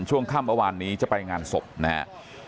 ช่วงข้ามประวันนี้จะไปงานศพนะฮะ